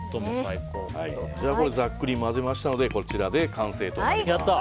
ざっくり混ぜましたのでこちらで完成となります。